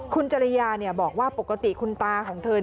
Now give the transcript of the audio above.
คุณจริยาบอกว่าปกติคุณตาของเธอ